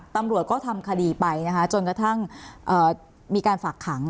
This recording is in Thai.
ตำรวจก็ทำคดีไปนะคะจนกระทั่งมีการฝากขัง